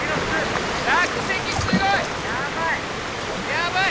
やばい！